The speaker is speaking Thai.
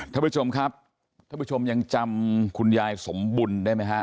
ท่านผู้ชมครับท่านผู้ชมยังจำคุณยายสมบุญได้ไหมฮะ